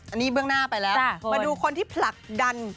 อันนี้เบื้องหน้าไปแล้วมาดูคนที่ผลักดัน